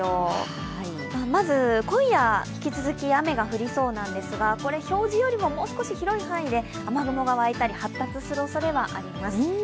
まず今夜引き続き雨が降りそうなんですが、これ表示よりももう少し広い範囲で雨雲が発生したり発達するおそれがあります。